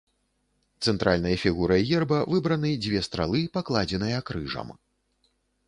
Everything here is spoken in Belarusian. Цэнтральнай фігурай герба выбраны дзве стралы, пакладзеныя крыжам.